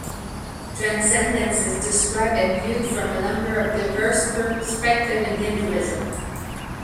Transcendence is described and viewed from a number of diverse perspectives in Hinduism.